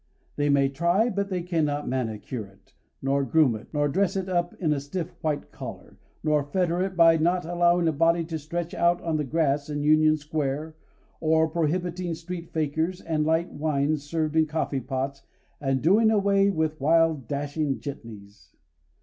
They may try, but they cannot manicure it, nor groom it, nor dress it up in a stiff white collar, nor fetter it by not allowing a body to stretch out on the grass in Union Square or prohibiting street fakers and light wines served in coffee pots and doing away with wild dashing jitneys.